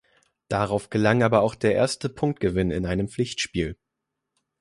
Darauf gelang aber auch der erste Punktgewinn in einem Pflichtspiel.